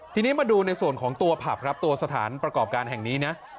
ทีนี้มาดูในส่วนของตัวผับครับตัวสถานประกอบการแห่งนี้นะ